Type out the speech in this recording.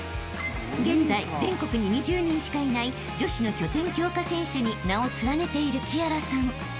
［現在全国に２０人しかいない女子の拠点強化選手に名を連ねている姫明麗さん］